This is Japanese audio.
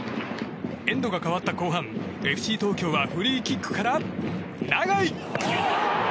エンドが変わった後半ＦＣ東京はフリーキックから、永井。